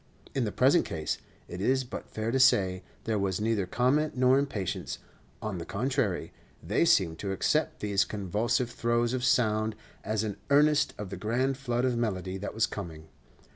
In the present case, it is but fair to say, there was neither comment nor impatience; on the contrary, they seemed to accept these convulsive throes of sound as an earnest of the grand flood of melody that was coming.